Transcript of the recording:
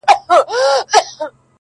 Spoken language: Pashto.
پر هوښار طوطي بې حده په غوسه سو-